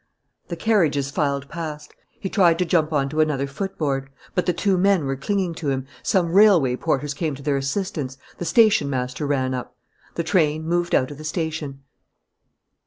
The carriages filed past. He tried to jump on to another footboard. But the two men were clinging to him, some railway porters came to their assistance, the station master ran up. The train moved out of the station.